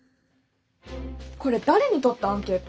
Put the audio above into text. これ誰にとったアンケート？